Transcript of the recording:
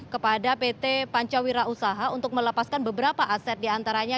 kepada pt pancawira usaha untuk melepaskan beberapa aset diantaranya